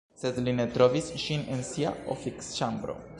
Sed li ne trovis ŝin en ŝia oficĉambro.